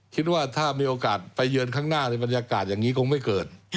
คิดว่าถ้ามีโอกาสไปเยือนข้างหน้าในบรรยากาศอย่างนี้คงไม่เกิด